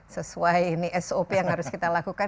sesuai ini sop yang harus kita lakukan